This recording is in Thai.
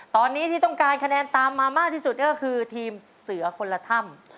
ตอนนี้ที่ต้องการคะแนนตามมามากที่สุดก็คือทีมเสือคนละถ้ำ